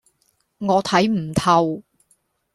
我睇唔透